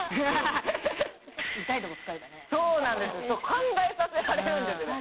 考えさせられるんですね。